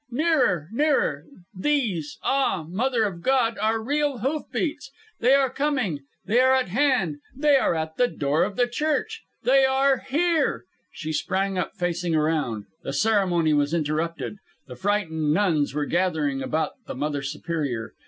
Nearer, nearer. These ah, Mother of God are real hoof beats. They are coming; they are at hand; they are at the door of the church; they are here! She sprang up, facing around. The ceremony was interrupted. The frightened nuns were gathering about the Mother Superior.